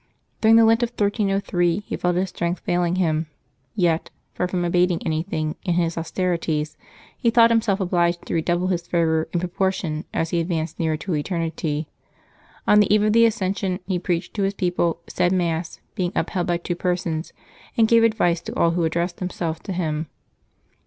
During the Lent of 1303 he felt his strength failing him ; yet, far from abating anything in his austerities, he thought himself obliged to redouble his fervor in proportion as he advanced nearer to eternity. On the eve of the Ascension he preached to his people, said Mass, being upheld by two persons, and gave advice to all who addressed themselves to him.